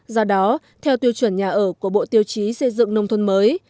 do đó theo tiêu chuẩn nhà ở của bộ tiêu chí xây dựng nông thôn mới